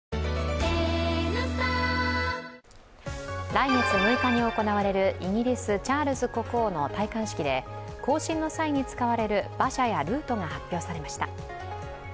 来月６日に行われるイギリス・チャールズ国王の戴冠式で、行進の際に使われる馬車やルートが発表されました。